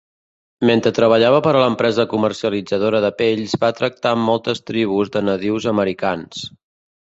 Mentre treballava per a l'empresa comercialitzadora de pells va tractar amb moltes tribus de nadius americans.